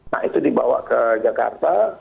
nah itu dibawa ke jakarta